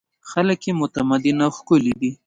خلک یې متمدن او ښکلي دي.